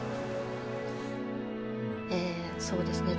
えそうですね